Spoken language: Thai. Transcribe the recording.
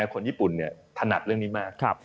คนญี่ปุ่นถนัดเรื่องนี้มาก